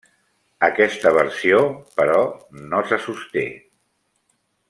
Aquesta versió, però, no se sosté.